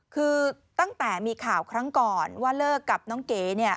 คือตั้งแต่มีข่าวครั้งก่อนว่าเลิกกับน้องเก๋